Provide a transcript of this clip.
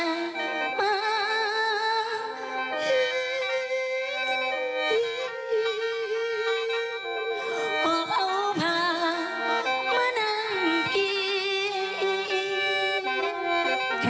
มานานไป